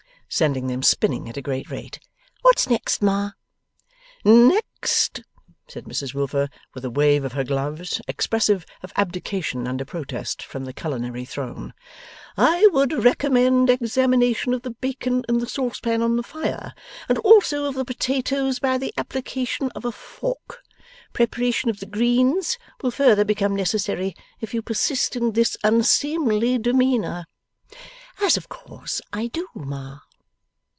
sending them spinning at a great rate. 'What's next, Ma?' 'Next,' said Mrs Wilfer with a wave of her gloves, expressive of abdication under protest from the culinary throne, 'I would recommend examination of the bacon in the saucepan on the fire, and also of the potatoes by the application of a fork. Preparation of the greens will further become necessary if you persist in this unseemly demeanour.' 'As of course I do, Ma.